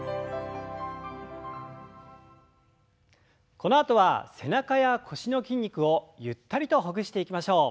このあとは背中や腰の筋肉をゆったりとほぐしていきましょう。